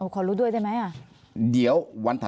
ขอรู้ด้วยได้ไหม